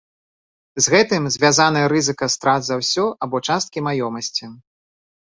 З гэтым звязаны рызыка страт за ўсё або часткі маёмасці.